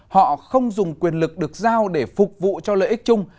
họ không dùng quyền lực được giao để phục vụ cho lợi ích chung